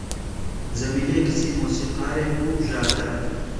جەمیلەی کچی مۆسیقارێک بوو بژاردە